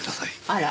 あら。